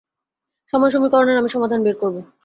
সময় সমীকরণের আমি সমাধান বের করব।